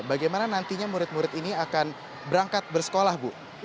bagaimana nantinya murid murid ini akan berangkat bersekolah bu